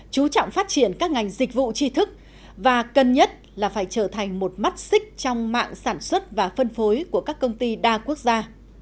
chú trọng phát triển các ngành dịch vụ tri thức và cần nhất là phải trở thành một mắt xích trong mạng sản xuất và phân phối của các công ty đa quốc gia